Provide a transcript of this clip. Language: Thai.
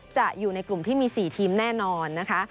อยู่ในกลุ่มที่มี๔ทีมแน่นอนนะคะ